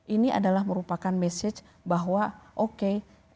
ini adalah merupakan message bahwa oke